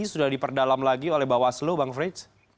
sudah diperdalam lagi oleh bawaslu bang frits